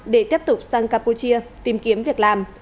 để tiếp tục sang campuchia tìm kiếm việc làm